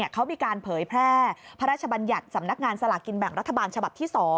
เขามีการเผยแพร่พระราชบัญญัติสำนักงานสลากินแบ่งรัฐบาลฉบับที่๒